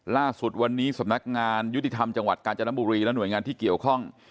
ล่าสุดวันนี้สำนักงานยุติธรรมจังหวัดกาญจนบุรีและหน่วยงานที่เกี่ยวข้อง